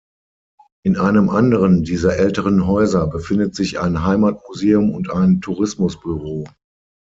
In einem anderen dieser älteren Häuser befindet sich ein Heimatmuseum und ein Tourismusbüro.